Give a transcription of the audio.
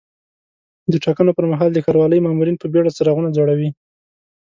د ټاکنو پر مهال د ښاروالۍ مامورین په بیړه څراغونه ځړوي.